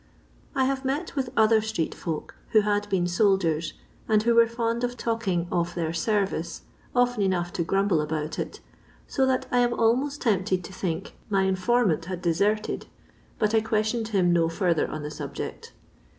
I have met with other street folk, who had been soldiers, and who were fond of talking of their service," often enough to grumble about it, so that I am almost tempted to think my in formant had deserted, but I questioned him no further on the subject.